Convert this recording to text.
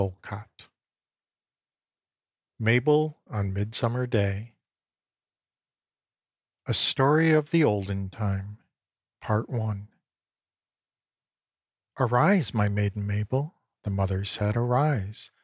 Adapted MABEL ON MIDSUMMER DAY A STORY OF THE OLDEN TIME PART I "Arise! my maiden, Mabel," The mother said: "arise!